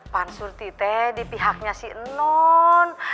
pan sur tite di pihaknya si enon